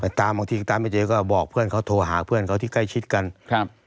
ตามบางทีก็ตามไม่เจอก็บอกเพื่อนเขาโทรหาเพื่อนเขาที่ใกล้ชิดกันครับ